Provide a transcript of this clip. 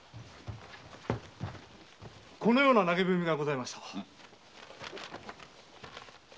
このような投げ文がございました。